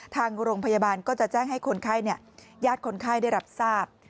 ทางโรงพยาบาลก็จะแจ้งให้คนไข้ญาติคนไข้ได้รับทราบ